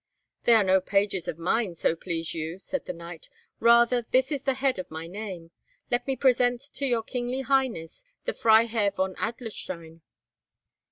"They are no pages of mine, so please you," said the knight; "rather this is the head of my name. Let me present to your kingly highness the Freiherr von Adlerstein."